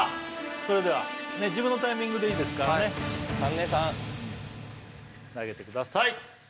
それでは自分のタイミングでいいですからね投げてください